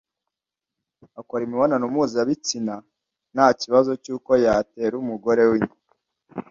akora imibonano mpuzabitsina nta kibazo cy'uko yatera umugore we inda